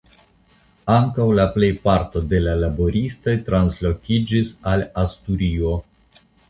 Ankaŭ la plej parto de la laboristoj translokiĝis al Asturio.